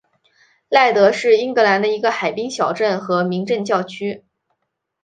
赖德是英格兰的一个海滨小镇和民政教区。